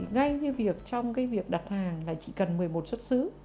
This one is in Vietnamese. ngay như việc trong cái việc đặt hàng là chỉ cần một mươi một xuất xứ